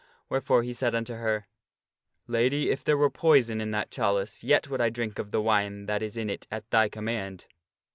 Where fore he said unto her, " Lady, if there were poison in that chalice, yet would I drink of the wine that is in it at thy command."